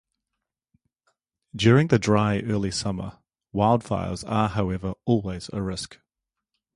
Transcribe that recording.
During the dry early summer wildfires are however always a risk.